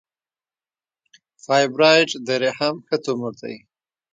د فایبروایډ د رحم ښه تومور دی.